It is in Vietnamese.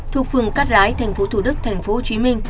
thuộc phường cát rái tp thủ đức tp hcm